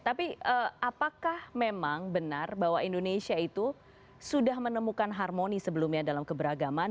tapi apakah memang benar bahwa indonesia itu sudah menemukan harmoni sebelumnya dalam keberagaman